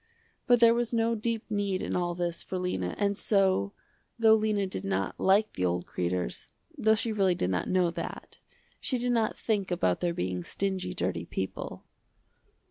But there was no deep need in all this for Lena and so, though Lena did not like the old Kreders, though she really did not know that, she did not think about their being stingy dirty people.